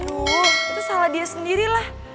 oh itu salah dia sendiri lah